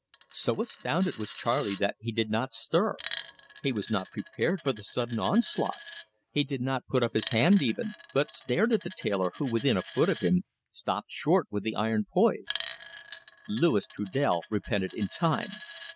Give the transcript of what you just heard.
So astounded was Charley that he did not stir. He was not prepared for the sudden onslaught. He did not put up his hand even, but stared at the tailor, who, within a foot of him, stopped short with the iron poised. Louis Trudel repented in time.